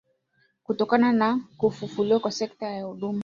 kutokana na kufufuliwa kwa sekta ya huduma